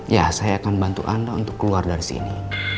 ya saya akan bantu anda untuk keluar dari sini